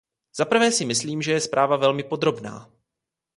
Za prvé si myslím, že je zpráva velmi podrobná.